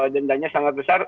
dendanya sangat besar